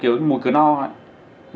kiểu mùi cửa no ạ